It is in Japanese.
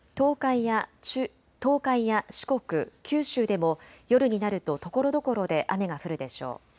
東海や四国、九州でも夜になるとところどころで雨が降るでしょう。